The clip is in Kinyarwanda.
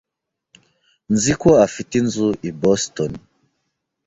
Nzi ko afite inzu i Boston.